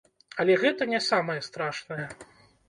Але гэта не самае страшнае.